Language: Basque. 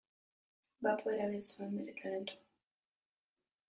Bapo erabili zuen bere talentua.